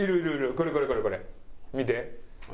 これこれこれこれ！